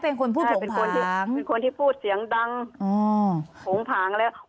เป็นคนพูดผงผางเป็นคนที่พูดเสียงดังอืมผงผางอะไร